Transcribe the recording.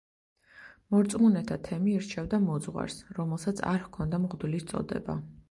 მორწმუნეთა თემი ირჩევდა მოძღვარს, რომელსაც არ ჰქონდა მღვდლის წოდება.